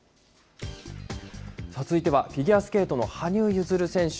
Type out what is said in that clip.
さあ、続いてはフィギュアスケートの羽生結弦選手。